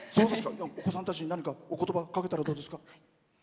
お子さんたちに何かおことばかけたらどうですか？